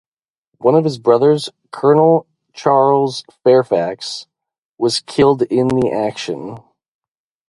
One of his brothers, Colonel Charles Fairfax, was killed in the action.